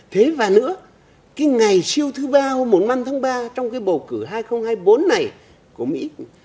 thế và nữa cái ngày siêu thứ ba mùng năm tháng ba trong cái bầu cử hai nghìn hai mươi bốn này của mỹ